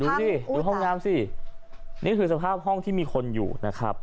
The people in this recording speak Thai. ดูดิดูห้องน้ำสินี่คือสภาพห้องที่มีคนอยู่นะครับ